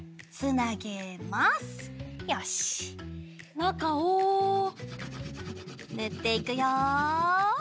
なかをぬっていくよ。